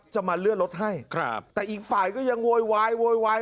จะมาเลื่อนรถให้ครับแต่อีกฝ่ายก็ยังโวยวายโวยวาย